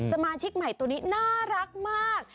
สมาชิกตนนี้น่ารักมาก